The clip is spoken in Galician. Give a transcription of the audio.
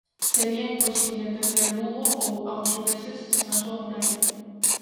Sería imposible entender Lugo, ou aos lugueses, sen a súa muralla.